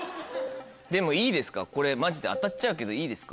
でもいいですかこれマジで当たっちゃうけどいいですか。